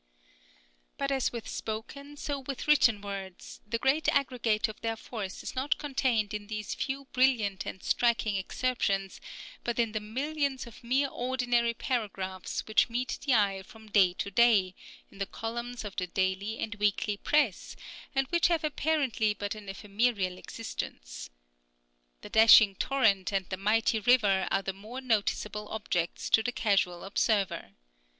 But as with spoken, so with written words, the great aggregate of their force is not contained in these few brilliant and striking exceptions, but in the millions of mere ordinary paragraphs which meet the eye from day to day, in the columns of the daily and weekly press, and which have apparently but an ephemeral existence. The dashing torrent and the mighty river are the more noticeable objects to the casual observer.